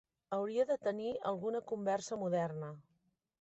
Hauria de tenir alguna conversa moderna.